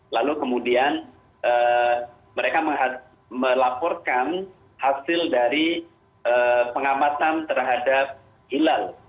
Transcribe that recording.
lalu kemudian mereka melaporkan hasil dari pengamatan terhadap hilal